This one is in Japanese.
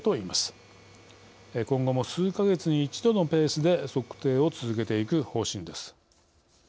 今後も数か月に一度のペースで測定を続けていく方針です。